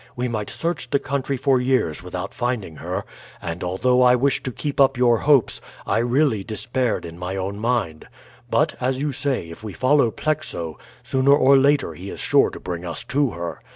We might search the country for years without finding her; and although I wish to keep up your hopes, I really despaired in my own mind. But, as you say, if we follow Plexo, sooner or later he is sure to bring us to her.